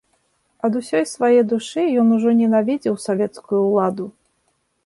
Ад усёй свае душы ён ужо ненавідзеў савецкую ўладу.